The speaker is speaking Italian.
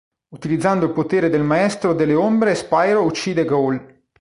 Utilizzando il potere del Maestro delle Ombre Spyro uccide Gaul.